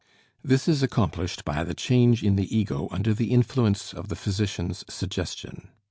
This is accomplished by the change in the ego under the influence of the physician's suggestion.